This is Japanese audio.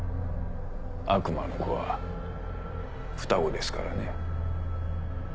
悪魔の子は双子ですからね。